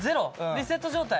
リセット状態？